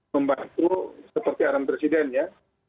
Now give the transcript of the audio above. membantu seperti arahan presiden ya